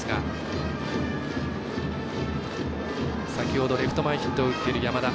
先ほどレフト前ヒットを打っている山田。